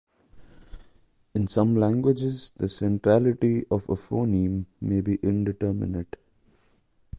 In some languages, the centrality of a phoneme may be indeterminate.